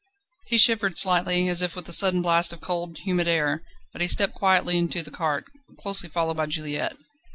_" He shivered slightly, as if with the sudden blast of cold, humid air, but he stepped quietly into the cart, closely followed by Juliette.